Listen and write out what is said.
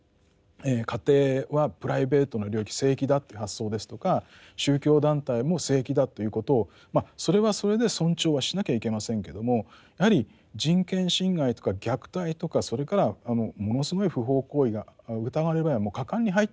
家庭はプライベートな領域聖域だっていう発想ですとか宗教団体も聖域だということをまあそれはそれで尊重はしなきゃいけませんけどもやはり人権侵害とか虐待とかそれからものすごい不法行為が疑われる場合はもう果敢に入っていく。